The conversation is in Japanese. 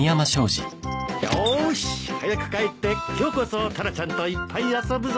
よーし早く帰って今日こそタラちゃんといっぱい遊ぶぞ。